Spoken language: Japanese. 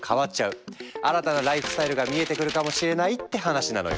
新たなライフスタイルが見えてくるかもしれないって話なのよ。